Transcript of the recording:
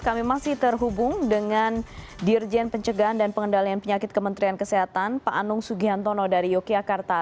kami masih terhubung dengan dirjen pencegahan dan pengendalian penyakit kementerian kesehatan pak anung sugiantono dari yogyakarta